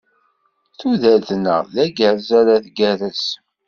Tudert-nneɣ, d agerrez ara tgerrez.